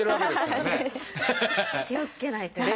気をつけないと。